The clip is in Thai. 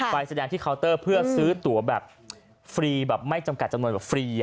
ไปแสดงที่เคาน์เตอร์เพื่อซื้อตัวแบบฟรีแบบไม่จำกัดจำนวนแบบฟรี